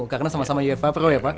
karena sama sama ufa pro ya pak